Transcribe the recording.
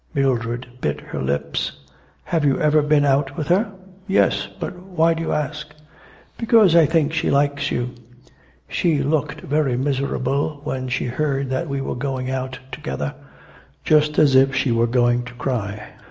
Mildred bit her lips. 'Have you ever been out with her?' 'Yes, but why do you ask?' 'Because I think she likes you. She looked very miserable when she heard that we were going out together. Just as if she were going to cry.